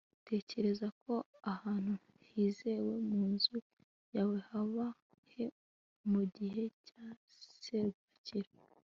utekereza ko ahantu hizewe mu nzu yawe haba he mugihe cya serwakira